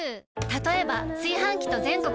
たとえば炊飯器と全国